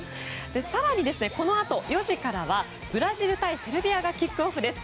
更にこのあと４時からはブラジル対セルビアがキックオフです。